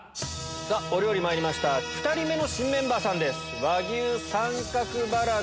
お料理まいりました２人目の新メンバーさんです。